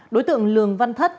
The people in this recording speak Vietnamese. đối tượng lường văn thất